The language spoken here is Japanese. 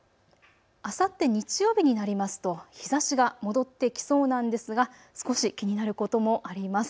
あさって日曜日になりますと日ざしが戻ってきそうなんですが少し気になることもあります。